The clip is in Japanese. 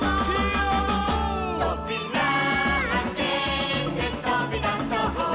「とびらあけてとびだそう」